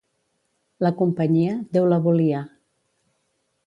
La companyia, Déu la volia.